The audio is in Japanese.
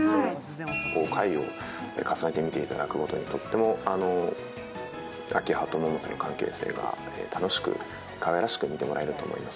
回を重ねて見ていただくごとに、明葉と百瀬の関係性が楽しく、かわいらしく見てもらえると思います。